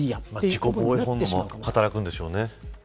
自己防衛本能が働くんでしょうね。